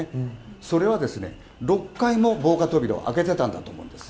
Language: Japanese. それは６階も防火扉を開けていたんだと思うんです。